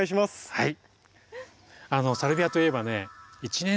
はい！